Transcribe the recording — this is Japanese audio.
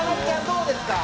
どうですか？